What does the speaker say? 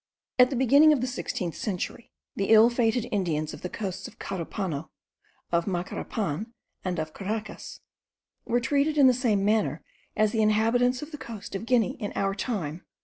At the beginning of the sixteenth century the ill fated Indians of the coasts of Carupano, of Macarapan, and of Caracas, were treated in the same manner as the inhabitants of the coast of Guinea in our days.